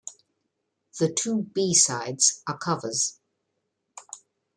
The two b-sides are covers.